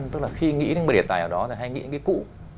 tức là khi nghĩ đến bức ảnh đề tài ở đó thì hay nghĩ đến những cái cũ